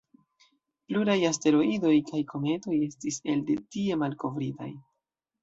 Pluraj asteroidoj kaj kometoj estis elde tie malkovritaj.